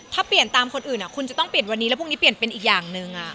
ถ้าเปลี่ยนตามคนอื่นคุณจะต้องเปลี่ยนวันนี้